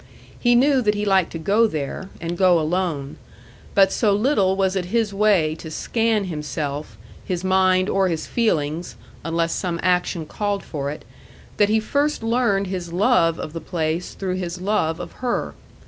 He knew that he liked to go there, and go alone; but so little was it his way to scan himself, his mind, or his feelings (unless some action called for it), that he first learned his love of the place through his love of her.